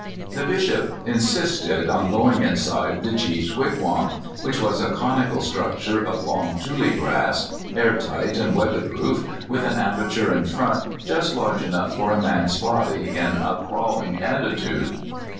The Bishop insisted on going inside the chief's wigwam, which was a conical structure of long tule grass, air tight and weatherproof, with an aperture in front just large enough for a man's body in a crawHng attitude.